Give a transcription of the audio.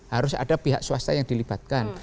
harus ada pihak swasta yang dilibatkan